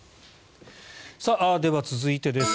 では、続いてです。